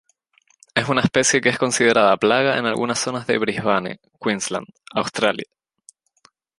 Es una especie que es considerada plaga en algunas zonas de Brisbane, Queensland, Australia.